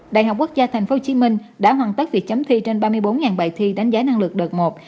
đại học quốc gia tp hcm đã hoàn tất việc chấm thi trên ba mươi bốn bài thi đánh giá năng lực đợt một